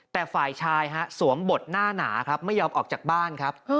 แต่ฝ่ายชายสวมบทหน้าหนาครับไม่ยอมออกจากบ้านครับ